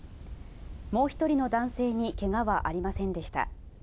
もう１人の男性にけがはありませんでした。